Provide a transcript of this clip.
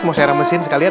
mau saya ramesin sekalian